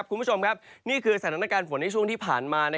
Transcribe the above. คุณผู้ชมครับนี่คือสถานการณ์ฝนในช่วงที่ผ่านมา